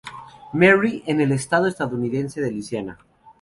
Mary en el estado estadounidense de Luisiana.